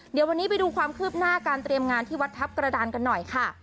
เดี๋ยววันนี้ไปดูความคืบหน้าการเตรียมงานที่วัดทัพกระดานกันหน่อยค่ะ